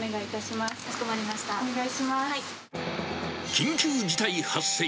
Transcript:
緊急事態発生。